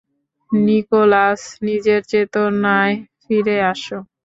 Nicolas, নিজের চেতনায় ফিরে আসো!